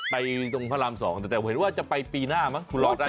ตรงพระราม๒แต่เห็นว่าจะไปปีหน้ามั้คุณรอได้